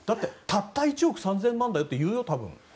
たった１億３０００万だよって言うよ、多分。